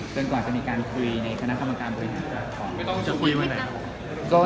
แต่ก็อาจจะมีการคุยในคณะค้ำอาการบริหาร